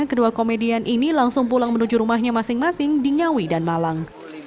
kedua komedian ini langsung pulang menuju rumahnya masing masing di ngawi dan malang